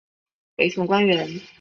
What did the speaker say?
北宋官员。